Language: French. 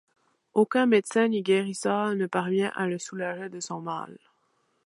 Aucun médecin ni guérisseur ne parvient à le soulager de son mal.